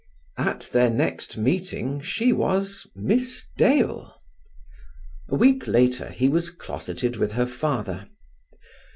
At their next meeting she was "Miss Dale". A week later he was closeted with her father.